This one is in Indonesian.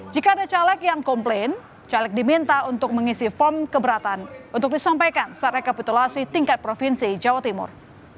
jika ada caleg yang komplain caleg diminta untuk mengisi form keberatan untuk disampaikan saat rekapitulasi tingkat provinsi jawa timur